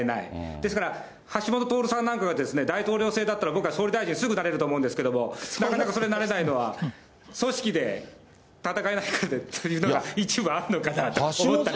ですから、橋下徹さんなんかは、大統領制だったら、僕は総理大臣、すぐなれると思うんですけれども、なかなかそれなれないのは、組織で戦えないからというのも一理あるのかなと思ったり。